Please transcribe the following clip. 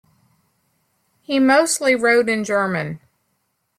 He mostly wrote in German.